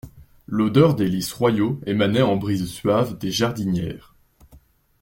L'odeur des lys royaux émanait en brises suaves des jardinières.